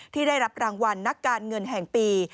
ที่ได้รับรางวัลนักการเงินแห่งปี